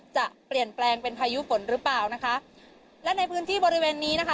จะเปลี่ยนแปลงเป็นพายุฝนหรือเปล่านะคะและในพื้นที่บริเวณนี้นะคะ